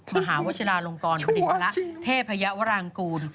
มหาวัชลาหลงกรบริษัทเทพยาวรางกูล